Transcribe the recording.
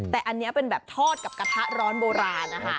แต่อันนี้เป็นแบบทอดกับกระทะร้อนโบราณนะคะ